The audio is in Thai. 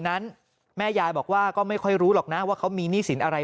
นั้นแม่ยายบอกว่าก็ไม่ค่อยรู้หรอกนะว่าเขามีหนี้สินอะไร